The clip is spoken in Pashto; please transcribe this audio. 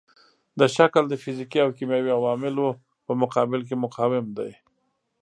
دا شکل د فزیکي او کیمیاوي عواملو په مقابل کې مقاوم دی.